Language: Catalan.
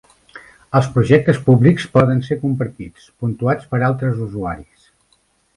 Els projectes públics poden ser compartits, puntuats per altres usuaris.